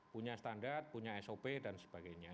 punya standar punya sop dan sebagainya